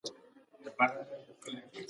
ميوه لرونکې ونه ډبرې خوري.